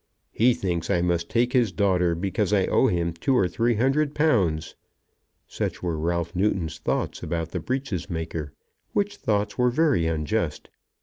"He thinks I must take his daughter because I owe him two or three hundred pounds." Such were Ralph Newton's thoughts about the breeches maker, which thoughts were very unjust.